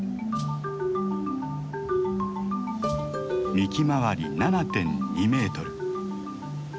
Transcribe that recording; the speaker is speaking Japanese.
幹周り７．２メートル。